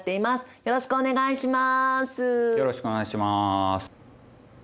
よろしくお願いします。